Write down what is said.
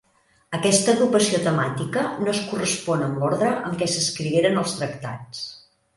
Aquesta agrupació temàtica no es correspon amb l'ordre en què s'escrigueren els tractats.